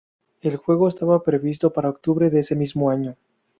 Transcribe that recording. El juego estaba previsto para octubre de ese mismo año.